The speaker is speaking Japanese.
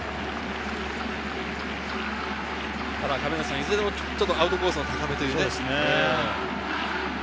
いずれもアウトコースの高めですね。